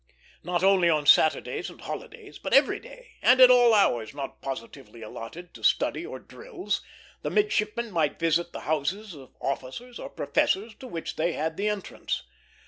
Not only on Saturdays and holidays, but every day, and at all hours not positively allotted to study or drills, the midshipmen might visit the houses of officers or professors to which they had the entrance.